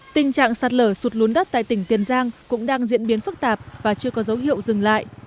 tình trạng sạt lở sụt lún đất tại tỉnh tiền giang cũng đang diễn biến phức tạp và chưa có dấu hiệu dừng lại